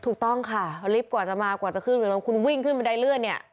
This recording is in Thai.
ถูกต้องค่ะรีบกว่าจะมากว่าจะขึ้นแล้วคุณวิ่งขึ้นมันได้เลื่อนเนี่ย